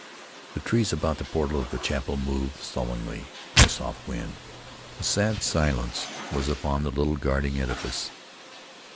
The trees about the portal of the chapel moved soughingly in a soft wind. A sad silence was upon the little guarding edifice.